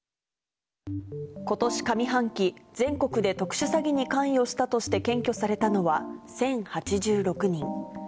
ことし上半期、全国で特殊詐欺に関与したとして検挙されたのは１０８６人。